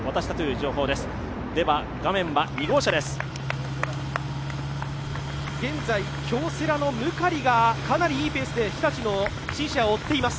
現在京セラのムカリがかなりいいペースで日立を追っています。